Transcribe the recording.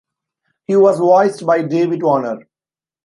He was voiced by David Warner.